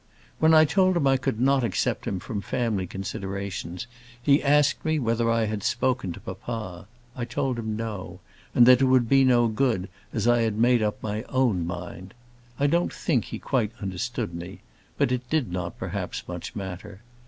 When I told him I could not accept him from family considerations, he asked me whether I had spoken to papa. I told him, no; and that it would be no good, as I had made up my own mind. I don't think he quite understood me; but it did not perhaps much matter.